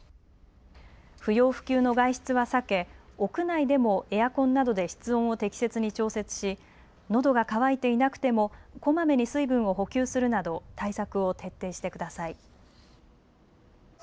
不要不急の外出は避け屋内でもエアコンなどで室温を適切に調節しのどが渇いていなくてもこまめに水分を補給するなど対策を徹底してください。